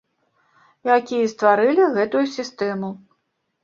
Якія стварылі гэтую сістэму.